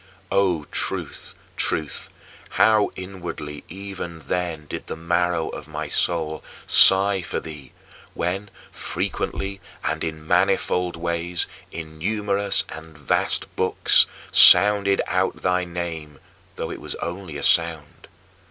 O Truth, Truth, how inwardly even then did the marrow of my soul sigh for thee when, frequently and in manifold ways, in numerous and vast books, [the Manicheans] sounded out thy name though it was only a sound!